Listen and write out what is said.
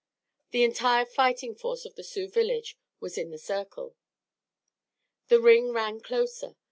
The entire fighting force of the Sioux village was in the circle. The ring ran closer.